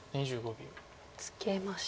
ツケました。